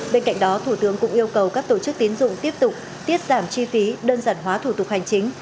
bên cạnh đó thủ tướng cũng yêu cầu các tổ chức tiến dụng tiếp tục tiết giảm chi phí đơn giản hóa thủ tục hành chính